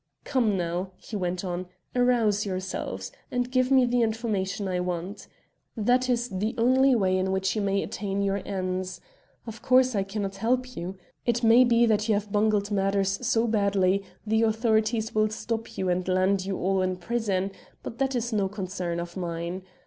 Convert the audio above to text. "Come, now," he went on "arouse yourselves; and give me the information I want. That is the only way in which you may attain your ends. Of course I cannot help you. It may be that as you have bungled matters so badly, the authorities will stop you and land you all in prison; but that is no concern of mine.